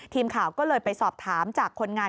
ทีมข่าวก็เลยไปสอบถามจากคนงาน